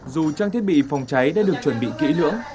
dù trang thiết bị phòng cháy đã được chuẩn bị kỹ lưỡng